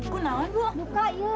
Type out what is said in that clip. kau naun bu